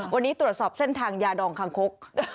วันนี้ตรวจสอบเส้นทางยาดองคางคก